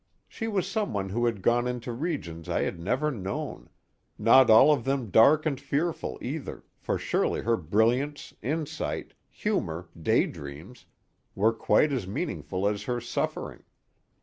She was someone who had gone into regions I had never known not all of them dark and fearful either, for surely her brilliance, insight, humor, daydreams, were quite as meaningful as her suffering.